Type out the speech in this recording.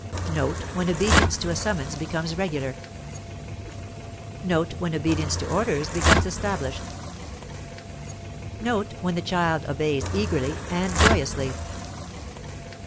Note when obedience to a summons becomes regular. Note when obedience to orders becomes established. Note when the child obeys eagerly and joyously.